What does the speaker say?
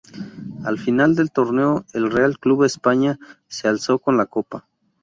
Al final del torneo el Real Club España se alzó con la copa.